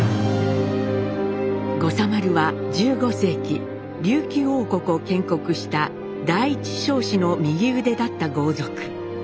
護佐丸は１５世紀琉球王国を建国した第一尚氏の右腕だった豪族。